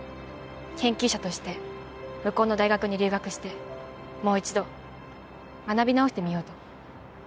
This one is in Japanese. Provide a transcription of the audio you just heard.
研究者として向こうの大学に留学してもう一度学び直してみようと。